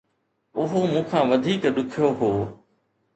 اهو مون کان وڌيڪ ڏکيو هو